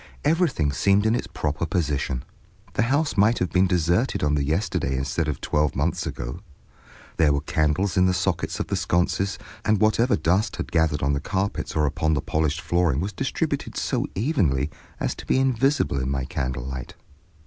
Everything seemed in its proper position; the house might have been deserted on the yesterday instead of twelve months ago. There were candles in the sockets of the sconces, and whatever dust had gathered on the carpets or upon the polished flooring was distributed so evenly as to be invisible in my candlelight.